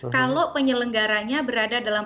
kalau penyelenggaranya berada dalam